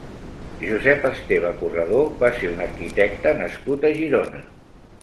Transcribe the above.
Josep Esteve Corredor va ser un arquitecte nascut a Girona.